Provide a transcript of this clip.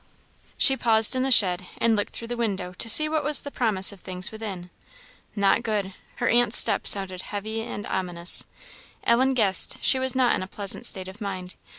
She paused in the shed, and looked through the window, to see what was the promise of things within. Not good; her aunt's step sounded heavy and ominous; Ellen guessed she was not in a pleasant state of mind.